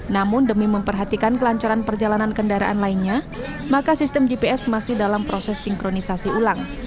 namun demi memperhatikan kelancaran perjalanan kendaraan lainnya maka sistem gps masih dalam proses sinkronisasi ulang